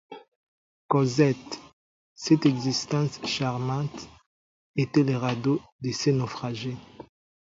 Cosette, cette existence charmante, était le radeau de ce naufragé.